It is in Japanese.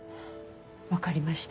わかりました。